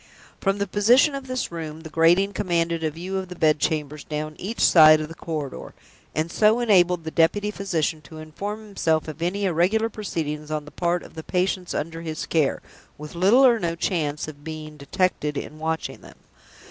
From the position of this room, the grating commanded a view of the bed chambers down each side of the corridor, and so enabled the deputy physician to inform himself of any irregular proceedings on the part of the patients under his care, with little or no chance of being detected in watching them.